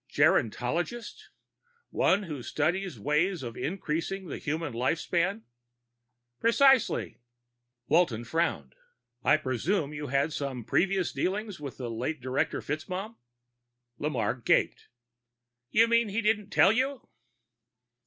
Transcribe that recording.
"Gerontologist? One who studies ways of increasing the human life span?" "Precisely." Walton frowned. "I presume you've had some previous dealings with the late Director FitzMaugham?" Lamarre gaped. "You mean he didn't tell you?"